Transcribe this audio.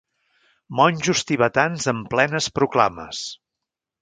Monjos tibetans en plenes proclames.